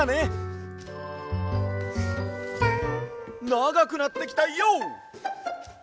ながくなってきたＹＯ！